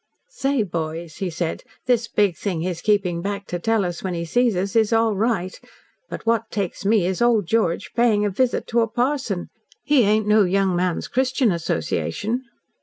"Say, boys," he said, "this big thing he's keeping back to tell us when he sees us is all right, but what takes me is old George paying a visit to a parson. He ain't no Young Men's Christian Association."